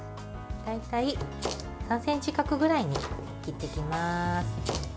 大体３ｃｍ角くらいに切っていきます。